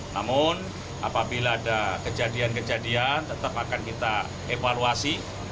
namun apabila ada kejadian kejadian tetap akan kita evaluasi